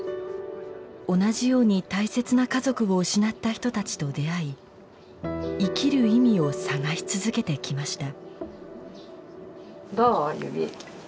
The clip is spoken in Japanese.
同じように大切な家族を失った人たちと出会い生きる意味を探し続けてきました。